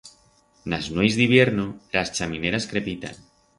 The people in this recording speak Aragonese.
En as nueiz d'hibierno ras chamineras crepitan.